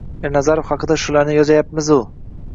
Ernazarov haqda shularni yozayapmizu